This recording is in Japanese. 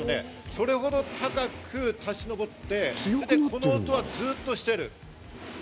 それほど高く立ち上って、この音はずっとしている。